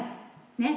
ねっ。